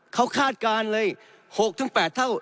เขาคาดการณ์เลย๖๘เท่า